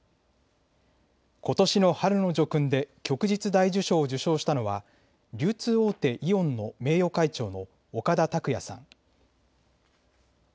ことしの春の叙勲で旭日大綬章を受章したのは流通大手、イオンの名誉会長の岡田卓也さん。